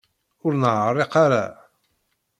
Ur neεriq ara.